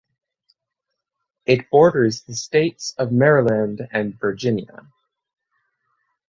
It borders the states of Maryland and Virginia.